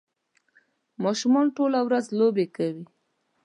ماشومان ټوله ورځ لوبې کوي.